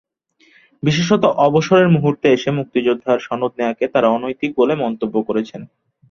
বিশেষত অবসরের মুহূর্তে এসে মুক্তিযোদ্ধার সনদ নেওয়াকে তাঁরা অনৈতিক বলে মন্তব্য করেছেন।